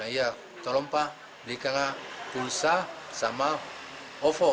ya tolong pak belikan pulsa sama ovo